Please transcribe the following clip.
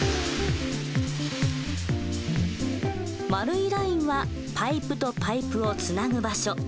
丸いラインはパイプとパイプをつなぐ場所。